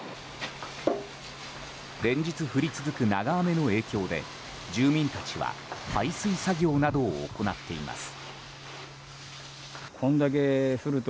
連日降り続く長雨の影響で住民たちは排水作業などを行っています。